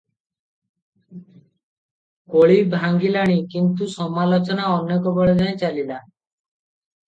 କଳି ଭାଙ୍ଗିଲାଣି; କିନ୍ତୁ ସମାଲୋଚନା ଅନେକ ବେଳ ଯାଏ ଚଳିଲା ।